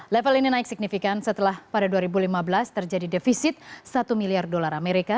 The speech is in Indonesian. level ini naik signifikan setelah pada dua ribu lima belas terjadi defisit satu miliar dolar amerika